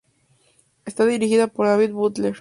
Está dirigida por David Butler.